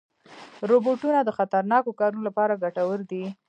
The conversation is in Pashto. روبوټونه د خطرناکو کارونو لپاره ګټور دي.